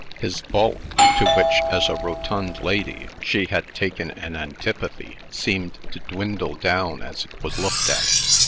His bulk, to which, as a rotund lady, she had taken an antipathy, seemed to dwindle down as it was looked at.